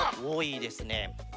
おおいいですね。